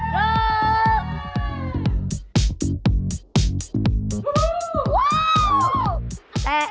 พี่วุฒิ